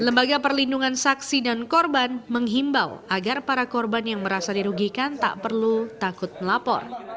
lembaga perlindungan saksi dan korban menghimbau agar para korban yang merasa dirugikan tak perlu takut melapor